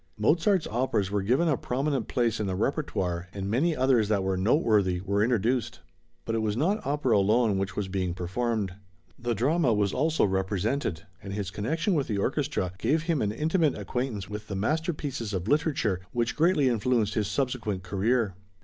Mozart's operas were given a prominent place in the répertoire, and many others that were noteworthy were introduced. But it was not opera alone which was being performed; the drama was also represented, and his connection with the orchestra gave him an intimate acquaintance with the masterpieces of literature, which greatly influenced his subsequent career.